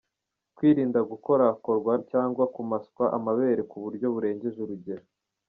Kwirinda gukorakorwa cyangwa kumaswa amabere ku buryo burengeje urugero.